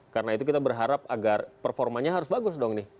karena itu kita berharap agar performanya harus bagus dong nih